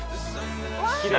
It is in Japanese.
きれい。